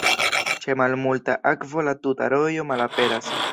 Ĉe malmulta akvo la tuta rojo malaperas.